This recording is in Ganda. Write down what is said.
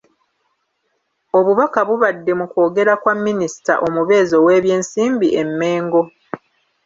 Obubaka bubadde mu kwogera kwa Minisita Omubeezi ow’Ebyensimbi e Mengo.